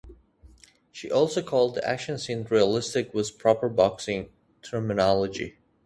She also called the action scenes "realistic" with proper boxing terminology.